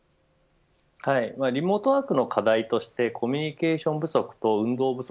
リモートワークの課題としてコミュニケーション不足と運動不足